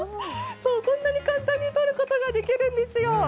こんなに簡単にとることができるんですよ。